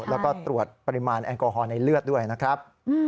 แล้วก็ตรวจปริมาณแอลกอฮอล์ในเลือดด้วยนะครับ